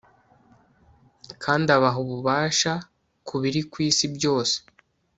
kandi abaha ububasha ku biri ku isi byose